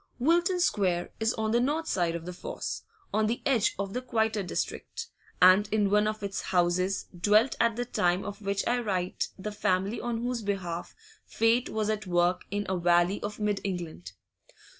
Wilton Square is on the north side of the foss, on the edge of the quieter district, and in one of its houses dwelt at the time of which I write the family on whose behalf Fate was at work in a valley of mid England.